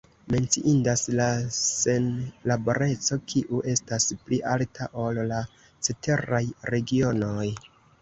Menciindas la senlaboreco, kiu estas pli alta, ol la ceteraj regionoj.